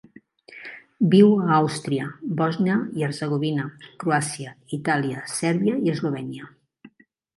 Viu a Àustria, Bòsnia i Hercegovina, Croàcia, Itàlia, Sèrbia i Eslovènia.